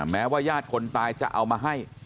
แม้ว่าญาติคนตายจะเอามาให้